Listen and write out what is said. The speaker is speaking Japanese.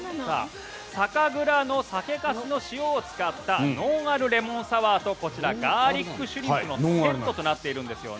酒蔵の酒粕の塩を使ったノンアルレモンサワーとこちらガーリックシュリンプのセットとなっているんです。